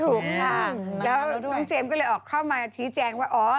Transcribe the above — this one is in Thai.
ถูกค่ะแล้วน้องเจมส์ก็เลยออกเข้ามาชี้แจงว่าอ๋อ